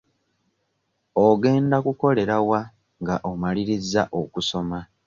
Ogenda kukolera wa nga omalirizza okusoma?